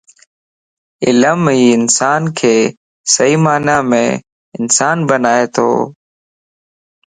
علم ئي اسانک صحيح معني مَ انسان بنائي تو